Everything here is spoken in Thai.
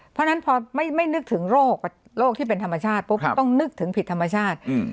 เพราะฉะนั้นพอไม่นึกถึงโรคที่เป็นธรรมชาติปุ๊บต้องนึกถึงผิดธรรมชาติ